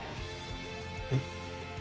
えっ？